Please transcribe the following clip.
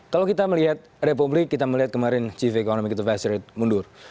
kalau kita melihat republik kita melihat kemarin chief economic advestor mundur